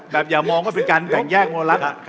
แบบอย่ามองว่าเป็นการแต่งแยกโมรัต